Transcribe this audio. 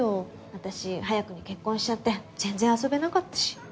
私早くに結婚しちゃって全然遊べなかったし。